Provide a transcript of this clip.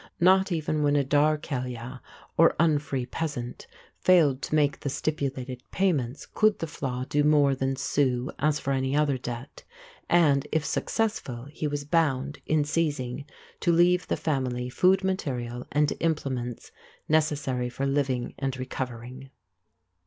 Not even when a daer ceile, or "unfree peasant", failed to make the stipulated payments could the flaith do more than sue as for any other debt; and, if successful, he was bound, in seizing, to leave the family food material and implements necessary for living and recovering.